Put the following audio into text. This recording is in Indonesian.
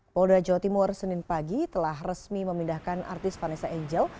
polda jawa timur senin pagi telah resmi memindahkan artis vanessa angel